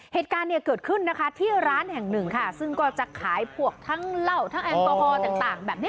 เหตุการณ์เนี่ยเกิดขึ้นนะคะที่ร้านแห่งหนึ่งค่ะซึ่งก็จะขายพวกทั้งเหล้าทั้งแอลกอฮอลต่างแบบนี้